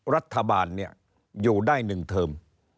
รัฐบาลอยู่ได้๑เทิม